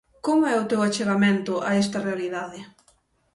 Como é o teu achegamento a esta realidade?